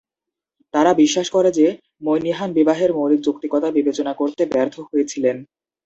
তারা বিশ্বাস করে যে, মৈনিহান বিবাহের মৌলিক যৌক্তিকতা বিবেচনা করতে ব্যর্থ হয়েছিলেন।